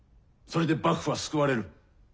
それで幕府は救われる。